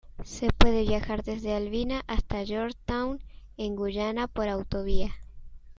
Se puede viajar desde Albina hasta Georgetown en Guyana por autovía.